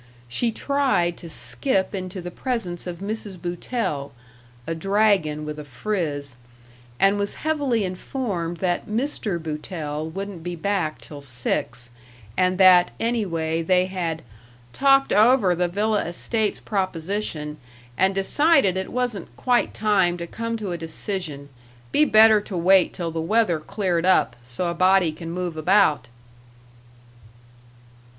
She tried to skip into the presence of Mrs. Boutell a dragon with a frizz and was heavily informed that Mr. Boutell wouldn't be back till six, and that, anyway, they had "talked over the Villa Estates proposition, and decided it wasn't quite time to come to a decision be better to wait till the weather cleared up, so a body can move about."